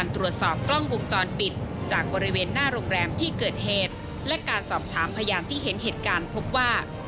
ที่เกิดเหตุและการสอบถามพยานที่เห็นเหตุการณ์พบว่า